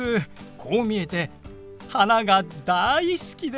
こう見えて花が大好きで。